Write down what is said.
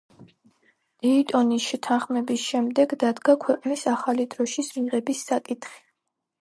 დეიტონის შეთანხმების შემდეგ დადგა ქვეყნის ახალი დროშის მიღების საკითხი.